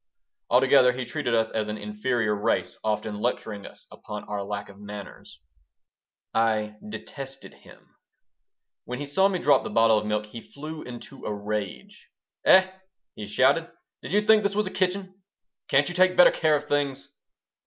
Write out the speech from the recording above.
Altogether he treated us as an inferior race, often lecturing us upon our lack of manners I detested him When he saw me drop the bottle of milk he flew into a rage "Eh!" he shouted, "did you think this was a kitchen? Can't you take better care of things?"